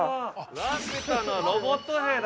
◆ラピュタのロボット兵だ。